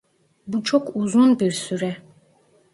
Bu çok uzun bir süre.